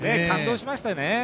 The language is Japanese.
感動しましたよね！